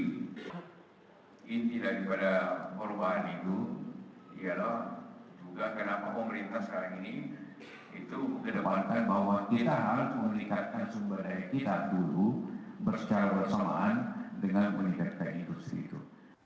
jadi inti dari perubahan itu ialah juga kenapa pemerintah sekarang ini itu kedepankan bahwa kita harus meningkatkan sumber daya kita dulu bersama dengan meningkatkan industri itu